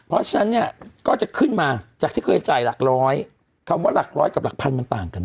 เพราะฉะนั้นเนี่ยก็จะขึ้นมาจากที่เคยจ่ายหลักร้อยคำว่าหลักร้อยกับหลักพันมันต่างกันนะ